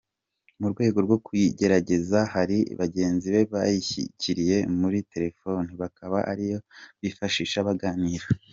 Mu rwego rwo kuyigerageza, hari bagenzi be yayishyiriye muri telefoni, bakaba ariyo bifashisha baganira.